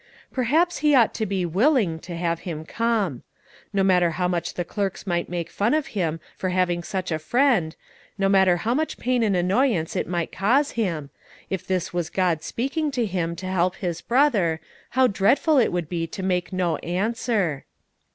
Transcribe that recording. Perhaps he ought to be willing to have him come. No matter how much the clerks might make fun of him for having such a friend; no matter how much pain and annoyance it might cause him; if this was God speaking to him to help his brother, how dreadful it would be to make no answer!